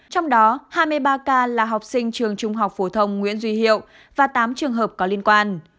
trong đó hai mươi ba ca là học sinh trường trung học phổ thông nguyễn duy hiệu và tám trường hợp có liên quan